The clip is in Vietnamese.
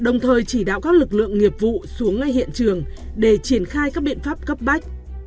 nghiệp vụ xuống ngay hiện trường để triển khai các biện pháp cấp bách